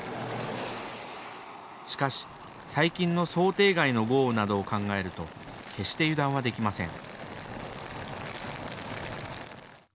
しかし最近の想定外の豪雨などを考えると決して油断はできません。